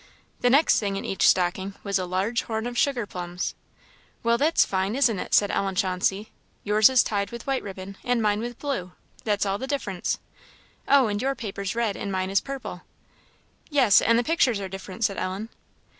The next thing in each stocking was a large horn of sugar plums. "Well, that's fine, isn't it?" said Ellen Chauncey "yours is tied with white ribbon, and mine with blue; that's all the difference. Oh! and your paper's red and mine is purple." "Yes, and the pictures are different," said Ellen.